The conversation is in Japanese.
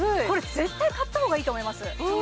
これ絶対買った方がいいと思います